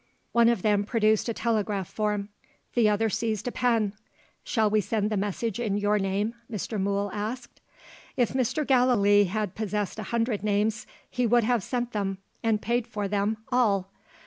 One of them produced a telegraph form; the other seized a pen. "Shall we send the message in your name?" Mr. Mool asked. If Mr. Gallilee had possessed a hundred names he would have sent them (and paid for them) all.